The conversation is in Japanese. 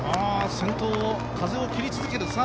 先頭を、風を切り続ける。